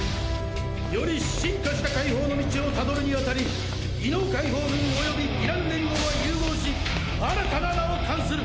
より深化した解放の道を辿るにあたり異能解放軍及びヴィラン連合は融合し新たな名を冠する！